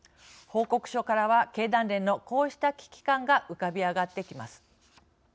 報告書からは、経団連のこうした危機感が浮かび上がってきます。